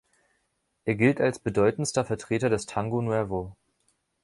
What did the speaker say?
Er gilt als bedeutendster Vertreter des Tango Nuevo.